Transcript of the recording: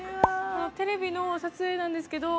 テレビの撮影なんですけど。